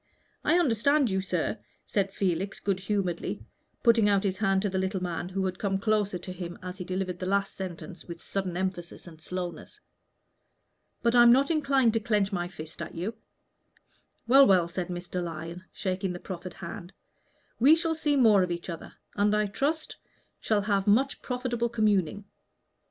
"I understand you, sir," said Felix, good humoredly, putting out his hand to the little man, who had come close to him as he delivered the last sentence with sudden emphasis and slowness. "But I'm not inclined to clench my fist at you." "Well, well," said Mr. Lyon, shaking the proffered hand, "we shall see more of each other, and I trust shall have much profitable communing.